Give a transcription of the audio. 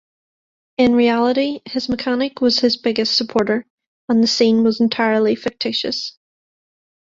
In reality, his mechanic was his biggest supporter, and the scene was entirely fictitious.